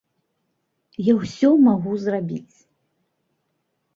Я ўсё магу зрабіць!